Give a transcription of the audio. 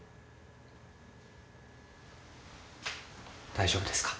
大丈夫ですか？